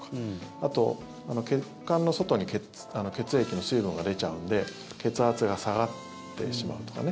あと、血管の外に血液の水分が出ちゃうんで血圧が下がってしまうとかね。